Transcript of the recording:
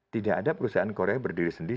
tidak ada perusahaan korea berdiri sendiri